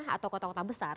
atau kota kota besar